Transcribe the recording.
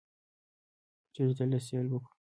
پریږده لږ سیل وکړو.